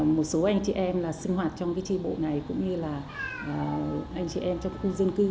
một số anh chị em là sinh hoạt trong tri bộ này cũng như là anh chị em trong khu dân cư